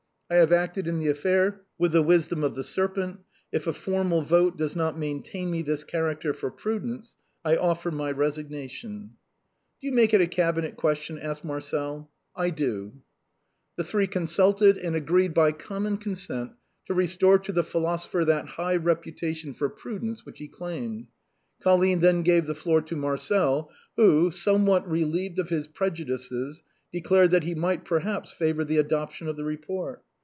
I have acted in the affair with the wisdom of the serpent ; if a formal vote does not maintain me this character for prudence, I offer my resignation." " Do you make it a cabinet question ?" said Marcel. " I do." 142 THE BOHEMIANS OF THE LATIN QUARTER. The three consulted, and agreed by common consent to restore to the philosopher that high reputation for prudence which he claimed. Colline then gave the floor to Marcel, who, somewhat relieved of his prejudices, declared that he might perhaps favor the adoption of the report.